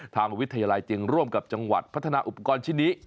ทางวิทยาลัยจึงร่วมกับจังหวัดพัฒนาอุปกรณ์ชิ้นนี้